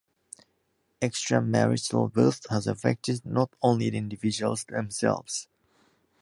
Extramarital birth has affected not only the individuals themselves.